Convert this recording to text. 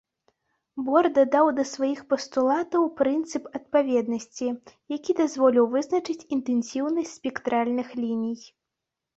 Бор дадаў да сваіх пастулатаў прынцып адпаведнасці, які дазволіў вызначыць інтэнсіўнасць спектральных ліній.